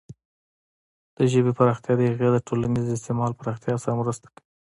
د ژبې پراختیا د هغې د ټولنیز استعمال پراختیا سره مرسته کوي.